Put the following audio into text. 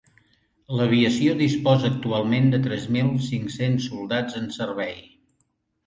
L'aviació disposa actualment de tres mil cinc-cents soldats en servei.